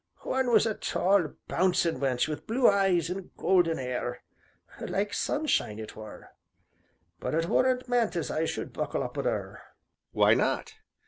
One was a tall, bouncin' wench wi' blue eyes, an' golden 'air like sunshine it were, but it wer'n't meant as I should buckle up wi' 'er." "Why not?"